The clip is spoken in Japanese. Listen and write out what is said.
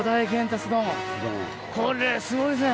これすごいですね！